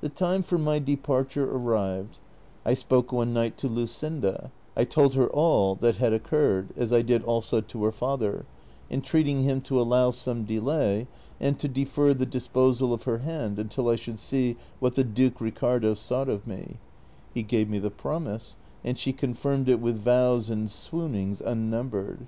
The time for my departure arrived ; I spoke one night to Luscinda, T told her all that had occurred, as I did also to her father, entreating him to allow some delay, and to defer the disposal of her hand until I should see what the Duke Ricai'do sought of me : he gave me the promise, and she confirmed it with vows and swoonings imnumbered.